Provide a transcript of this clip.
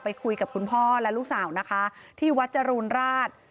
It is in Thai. คุยกับคุณพ่อและลูกสาวนะคะที่วัดจรูนราช